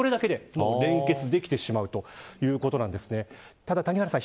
ただ谷原さん。